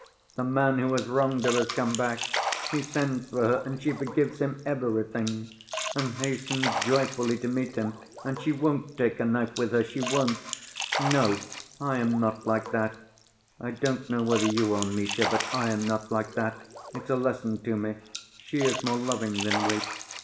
The man who has wronged her has come back, he sends for her and she forgives him everything, and hastens joyfully to meet him and she won't take a knife with her. She won't! No, I am not like that. I don't know whether you are, Misha, but I am not like that. It's a lesson to me.... She is more loving than we....